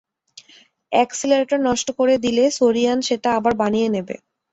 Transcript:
Accelerator নষ্ট করে দিলে, সোরিয়ান সেটা আবার বানিয়ে নেবে।